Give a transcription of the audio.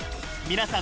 皆さん